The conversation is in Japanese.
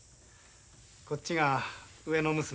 こっちが上の娘。